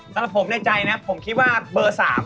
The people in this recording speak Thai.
สำหรับผมในใจนะผมคิดว่าเบอร์๓